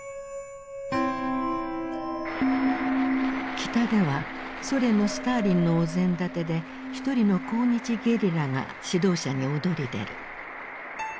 北ではソ連のスターリンのお膳立てで一人の抗日ゲリラが指導者に躍り出る。